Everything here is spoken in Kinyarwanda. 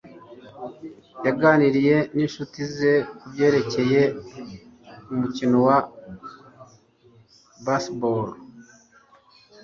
yaganiriye ninshuti ze kubyerekeye umukino wa baseball